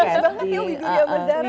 lucu banget ya widhuri amardarati